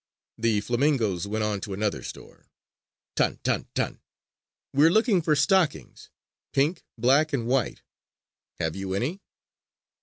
The flamingoes went on to another store: "Tan! Tan! Tan! We are looking for stockings pink, black and white. Have you any?"